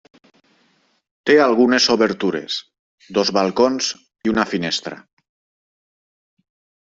Té algunes obertures: dos balcons i una finestra.